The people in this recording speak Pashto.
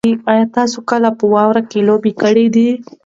ایا تاسي کله په واوره کې لوبه کړې ده؟